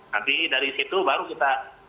nanti dari situ baru kita